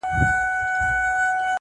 هسي نه چي ستا په لاره کي اغزی سي!!